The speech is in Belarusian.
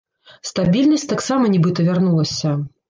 Стабільнасць таксама нібыта вярнулася.